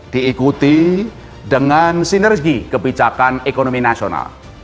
diikuti dengan sinergi kebijakan ekonomi nasional